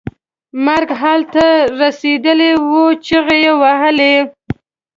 مرګ حال ته رسېدلی و چغې یې وهلې.